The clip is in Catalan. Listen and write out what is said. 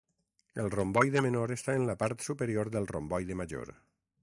El romboide menor està en la part superior del romboide major.